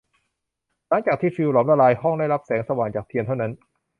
หลังจากที่ฟิวส์หลอมละลายห้องได้รับแสงสว่างจากเทียนเท่านั้น